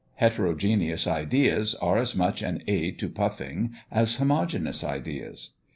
Heterogeneous ideas are as much an aid to puffing as homogeneous ideas.